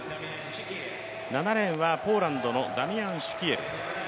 ７レーンはポーランドのダミアン・シュキエル。